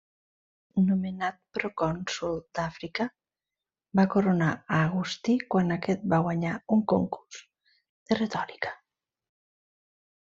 Nomenat procònsol d'Àfrica va coronar a Agustí quan aquest va guanyar un concurs de retòrica.